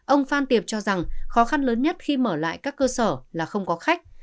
ông phan tiệp cho rằng khó khăn lớn nhất khi mở lại các cơ sở là không có khách